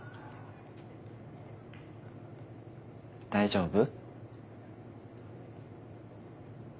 大丈夫？